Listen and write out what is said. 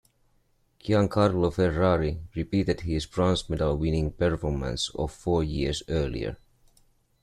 Giancarlo Ferrari repeated his bronze medal-winning performance of four years earlier.